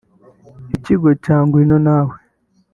Ikigo cya Ngwino Nawe